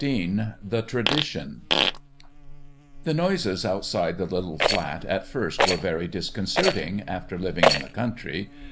XV THE TRADITION The noises outside the little flat at first were very disconcerting after living in the country.